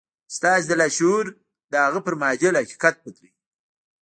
ستاسې لاشعور د هغه پر معادل حقيقت بدلوي.